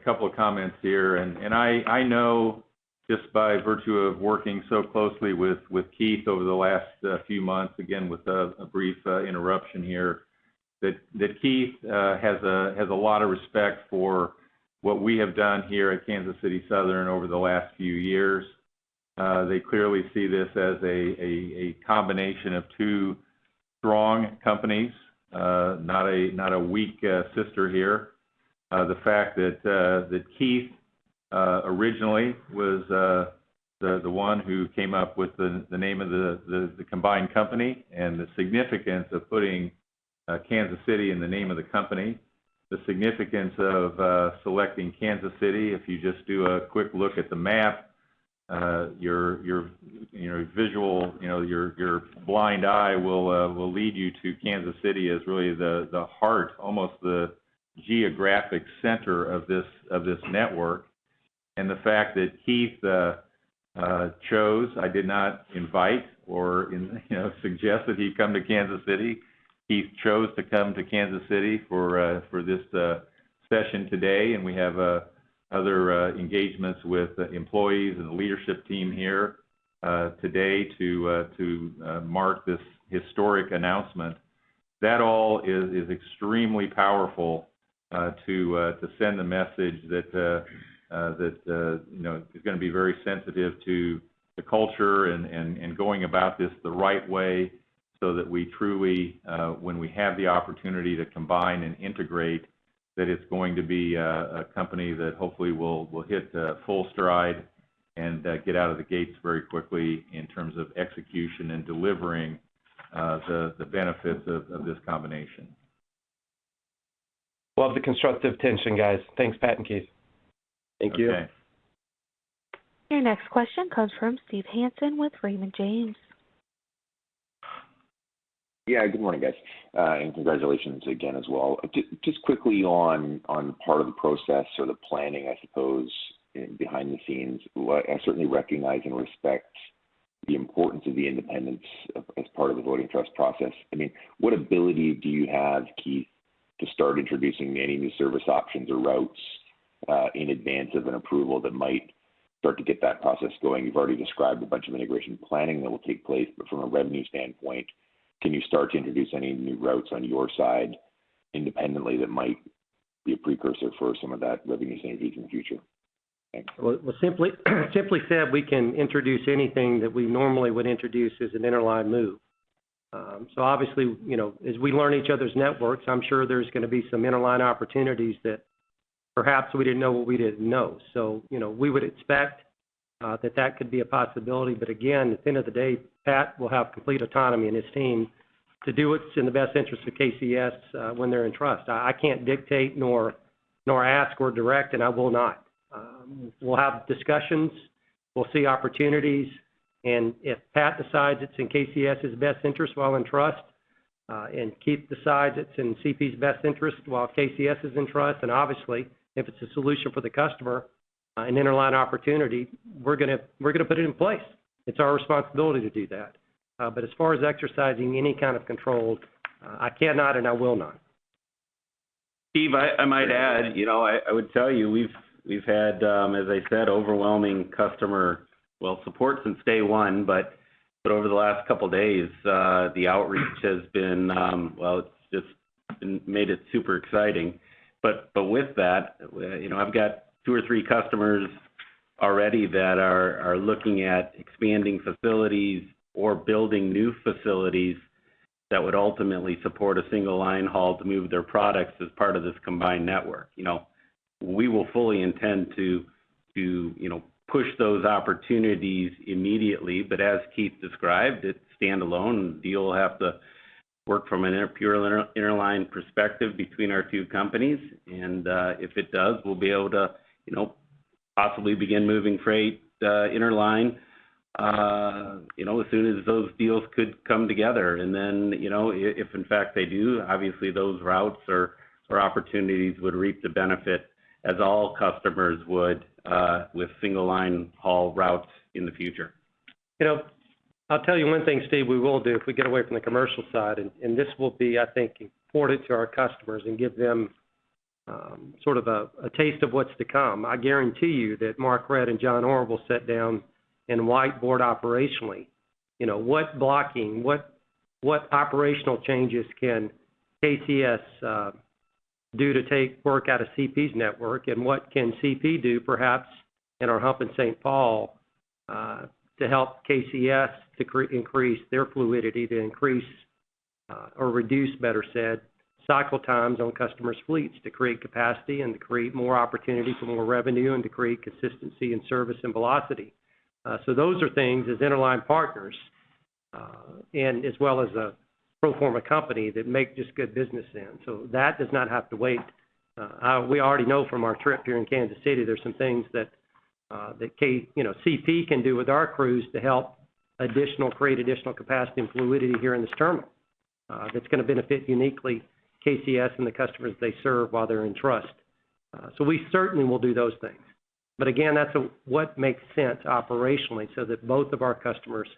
couple of comments here. I know just by virtue of working so closely with Keith over the last few months, again, with a brief interruption here, that Keith has a lot of respect for what we have done here at Kansas City Southern over the last few years. They clearly see this as a combination of two strong companies not a weak sister here. The fact that Keith originally was the one who came up with the name of the combined company and the significance of putting Kansas City in the name of the company, the significance of selecting Kansas City, if you just do a quick look at the map. Your visual, your blind eye will lead you to Kansas City as really the heart, almost the geographic center of this network. The fact that Keith chose, I did not invite or suggest that he come to Kansas City, Keith chose to come to Kansas City for this session today, and we have other engagements with employees and the leadership team here today to mark this historic announcement. That all is extremely powerful to send the message that it's going to be very sensitive to the culture and going about this the right way so that we truly, when we have the opportunity to combine and integrate, that it's going to be a company that hopefully will hit full stride and get out of the gates very quickly in terms of execution and delivering the benefits of this combination. Love the constructive tension, guys. Thanks, Pat and Keith. Okay. Thank you. Your next question comes from Steve Hansen with Raymond James. Yeah. Good morning, guys, congratulations again as well. Just quickly on part of the process or the planning, I suppose, behind the scenes. I certainly recognize and respect the importance of the independence as part of the voting trust process. What ability do you have, Keith, to start introducing any new service options or routes in advance of an approval that might start to get that process going? You've already described a bunch of integration planning that will take place. From a revenue standpoint, can you start to introduce any new routes on your side independently that might be a precursor for some of that revenue synergy in the future? Thanks. Well, simply said, we can introduce anything that we normally would introduce as an interline move. Obviously, as we learn each other's networks, I am sure there is going to be some interline opportunities that perhaps we didn't know what we didn't know. We would expect that that could be a possibility, but again, at the end of the day, Pat will have complete autonomy in his team to do what's in the best interest of KCS when they're in trust. I can't dictate nor ask or direct, and I will not. We'll have discussions, we'll see opportunities, and if Pat decides it's in KCS's best interest while in trust, and Keith decides it's in CP's best interest while KCS is in trust, and obviously, if it's a solution for the customer, an interline opportunity, we're going to put it in place. It's our responsibility to do that. As far as exercising any kind of control, I cannot and I will not. Steve, I might add, I would tell you, we've had, as I said, overwhelming customer support since day one, but over the last couple of days, the outreach has just made it super exciting. With that, I've got two or three customers already that are looking at expanding facilities or building new facilities that would ultimately support a single line haul to move their products as part of this combined network. We will fully intend to push those opportunities immediately, but as Keith described, it's standalone. The deal will have to work from an interline perspective between our two companies, and if it does, we'll be able to possibly begin moving freight interline as soon as those deals could come together. Then, if in fact they do, obviously those routes or opportunities would reap the benefit as all customers would with single line haul routes in the future. I'll tell you one thing, Steve, we will do, if we get away from the commercial side, and this will be, I think, important to our customers and give them sort of a taste of what's to come. I guarantee you that Mark Redd and John Orr will sit down and whiteboard operationally what blocking, what operational changes can KCS do to work out of CP's network, and what can CP do, perhaps in our hub in St. Paul, to help KCS to increase their fluidity, to increase or reduce, better said, cycle times on customers' fleets, to create capacity and to create more opportunity for more revenue and to create consistency in service and velocity. Those are things as interline partners, and as well as a pro forma company that make just good business sense. That does not have to wait. We already know from our trip here in Kansas City, there is some things that CP can do with our crews to help create additional capacity and fluidity here in this terminal. That is going to benefit uniquely KCS and the customers they serve while they are in trust. We certainly will do those things. Again, that is what makes sense operationally so that both of our customers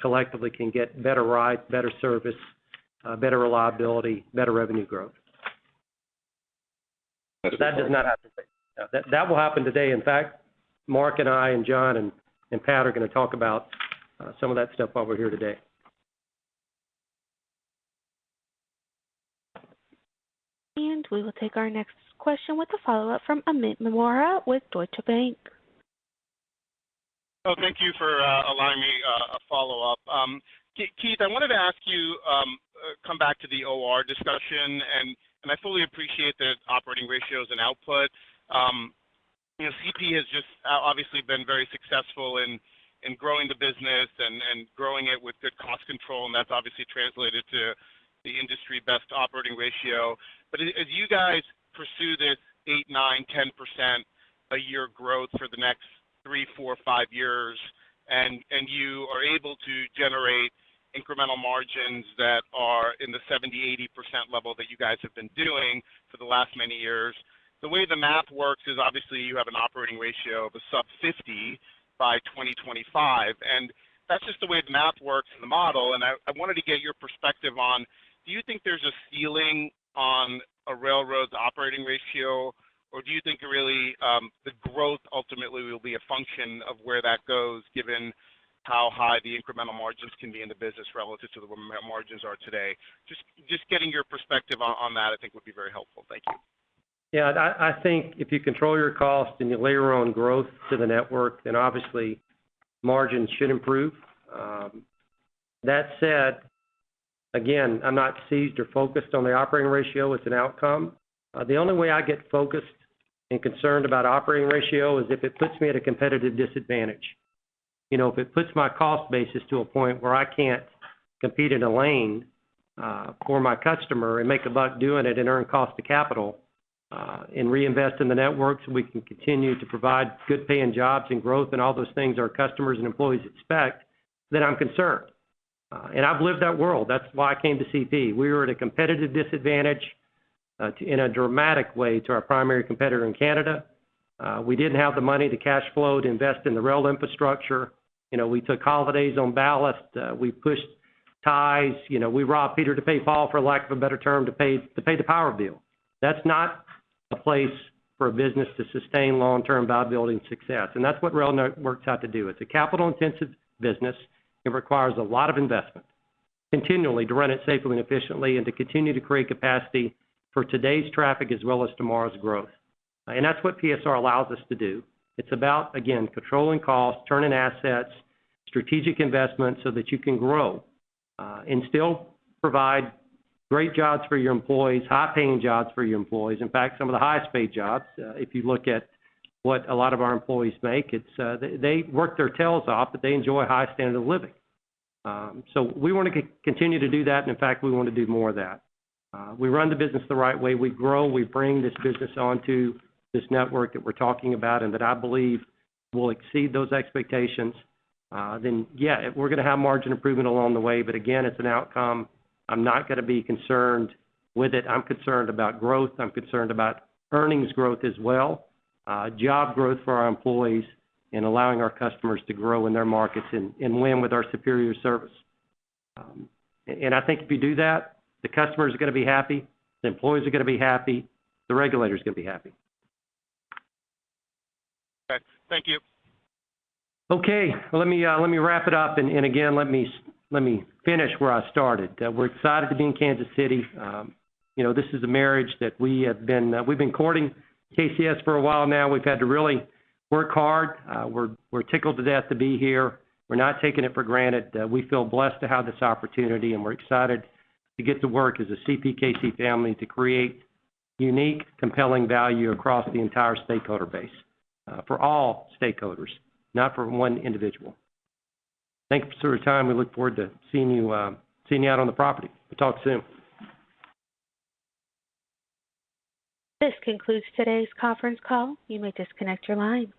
collectively can get better rides, better service, better reliability, better revenue growth. That's important. That does not have to wait. That will happen today. In fact, Mark and I and John and Pat are going to talk about some of that stuff while we're here today. We will take our next question with a follow-up from Amit Mehrotra with Deutsche Bank. Oh, thank you for allowing me a follow-up. Keith, I wanted to ask you, come back to the OR discussion, and I fully appreciate the operating ratios and output. CP has just obviously been very successful in growing the business and growing it with good cost control, and that's obviously translated to the industry best operating ratio. As you guys pursue this 8%, 9%, 10% a year growth for the next three, four, five years, and you are able to generate incremental margins that are in the 70%, 80% level that you guys have been doing for the last many years, the way the math works is obviously you have an operating ratio of a sub 50% by 2025, and that's just the way the math works in the model. I wanted to get your perspective on, do you think there's a ceiling on a railroad's operating ratio, or do you think really the growth ultimately will be a function of where that goes given how high the incremental margins can be in the business relative to where margins are today? Just getting your perspective on that I think would be very helpful. Thank you. Yeah, I think if you control your cost and you layer on growth to the network, then obviously margins should improve. That said, again, I'm not seized or focused on the operating ratio as an outcome. The only way I get focused and concerned about operating ratio is if it puts me at a competitive disadvantage. If it puts my cost basis to a point where I can't compete in a lane for my customer and make a buck doing it and earn cost to capital and reinvest in the network so we can continue to provide good-paying jobs and growth and all those things our customers and employees expect, then I'm concerned. I've lived that world. That's why I came to CP. We were at a competitive disadvantage in a dramatic way to our primary competitor in Canada. We didn't have the money, the cash flow to invest in the rail infrastructure. We took holidays on ballast. We pushed ties. We robbed Peter to pay Paul, for lack of a better term, to pay the power bill. That's not a place for a business to sustain long-term value-building success, and that's what rail networks ought to do. It's a capital-intensive business. It requires a lot of investment continually to run it safely and efficiently and to continue to create capacity for today's traffic as well as tomorrow's growth. That's what PSR allows us to do. It's about, again, controlling costs, turning assets, strategic investments so that you can grow and still provide great jobs for your employees, high-paying jobs for your employees. In fact, some of the highest-paid jobs, if you look at what a lot of our employees make, they work their tails off, but they enjoy a high standard of living. We want to continue to do that, and in fact, we want to do more of that. We run the business the right way. We grow. We bring this business onto this network that we're talking about, and that I believe will exceed those expectations. Yeah, we're going to have margin improvement along the way, but again, it's an outcome I'm not going to be concerned with it. I'm concerned about growth. I'm concerned about earnings growth as well, job growth for our employees, and allowing our customers to grow in their markets and win with our superior service. I think if you do that, the customer is going to be happy, the employees are going to be happy, the regulator's going to be happy. Okay. Thank you. Okay. Again, let me finish where I started, that we're excited to be in Kansas City. This is a marriage that we've been courting KCS for a while now. We've had to really work hard. We're tickled to death to be here. We're not taking it for granted. We feel blessed to have this opportunity, and we're excited to get to work as a CPKC family to create unique, compelling value across the entire stakeholder base for all stakeholders, not for one individual. Thanks for your time. We look forward to seeing you out on the property. We'll talk soon. This concludes today's conference call. You may disconnect your line.